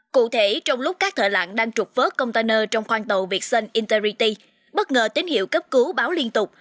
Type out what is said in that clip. cụ thể trong lúc các thợ lặn đang trục vớt container trong khoang tàu việt sơn interity bất ngờ tín hiệu cấp cứu báo liên tục